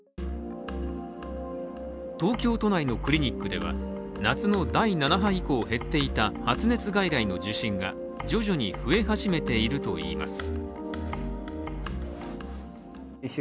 東京都内のクリニックでは夏の第７波以降減っていた発熱外来の受診が徐々に増え始めているといいます。